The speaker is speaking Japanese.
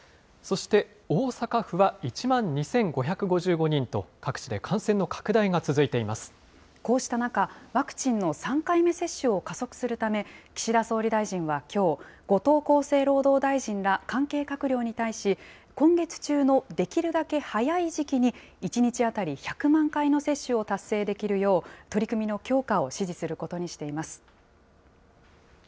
そして大阪府は１万２５５５人と、こうした中、ワクチンの３回目接種を加速するため、岸田総理大臣はきょう、後藤厚生労働大臣ら関係閣僚に対し、今月中のできるだけ早い時期に、１日当たり１００万回の接種を達成できるよう、取り組みの強化を指示することにしています。